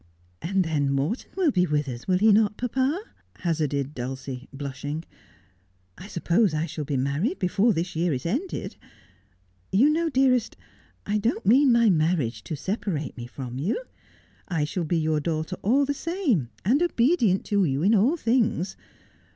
' And then Morton will be with us, will he not, papa ?' hazarded Dulcie, blushing. ' I suppose I shall be married before this year is ended ? You know, dearest, I don't mean my marriage to separate me from you. I shall be your daughter all the same, and obedient to you in all things.